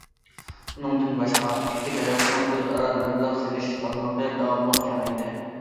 ئۇنىڭدىن باشقا، ئىككى تەرەپنىڭ ئۆز ئارا مەبلەغ سېلىش سالمىقى داۋاملىق كېڭەيدى.